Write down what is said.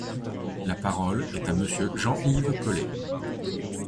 La parole est à Monsieur Jean-Yves Caullet.